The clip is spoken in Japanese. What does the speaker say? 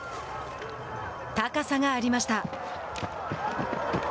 高さがありました。